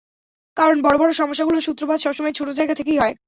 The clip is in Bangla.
কারণ, বড় বড় সমস্যাগুলোর সূত্রপাত সবসময় ছোট জায়গা থেকেই হয়!